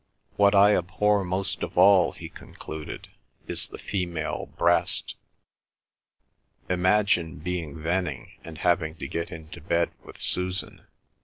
"What I abhor most of all," he concluded, "is the female breast. Imagine being Venning and having to get into bed with Susan!